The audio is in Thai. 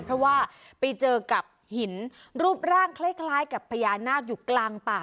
เพราะว่าไปเจอกับหินรูปร่างคล้ายกับพญานาคอยู่กลางป่า